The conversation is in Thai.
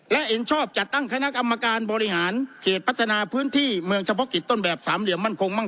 และเห็นชอบจัดตั้งคณะกรรมการบริหารเขตพัฒนาพื้นที่เมืองเฉพาะกิจต้นแบบสามเหลี่ยมมั่นคงมั่ง